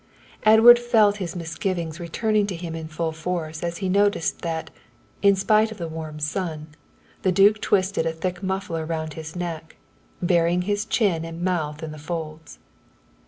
Edward felt his misgivings returning to him in full force as he noticed that, in spite of the warm sun, the duke twisted a thick muffler round his neck, burying his chin and mouth in the folds.